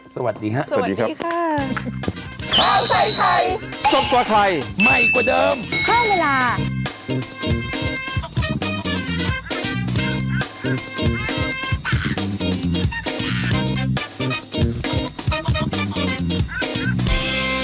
สวัสดีค่ะสวัสดีครับสวัสดีค่ะสวัสดีค่ะ